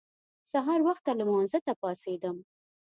سهار وخته لمانځه ته پاڅېدم.